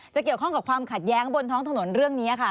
เกี่ยวข้องกับความขัดแย้งบนท้องถนนเรื่องนี้ค่ะ